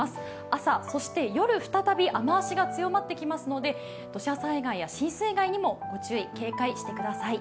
朝、そして夜、再び雨足が強まってきますので土砂災害や浸水害にも御注意、警戒してください。